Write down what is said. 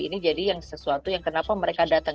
ini jadi sesuatu yang kenapa mereka datang